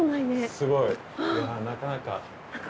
すごいいやなかなか。